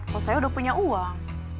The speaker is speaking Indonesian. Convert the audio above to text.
kok saya udah punya uang